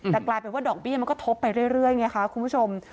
แต่กลายเป็นว่าดอกเบี้ยมันก็ทบไปเรื่อยไงคะคุณผู้ชม